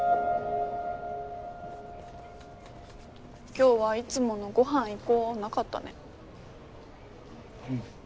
今日はいつもの「ごはん行こう」なかったね。うん。